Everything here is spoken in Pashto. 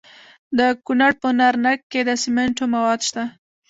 د کونړ په نرنګ کې د سمنټو مواد شته.